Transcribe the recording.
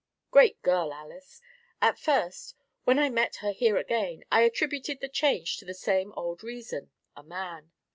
Great girl, Alys! At first, when I met her here again, I attributed the change to the same old reason a man.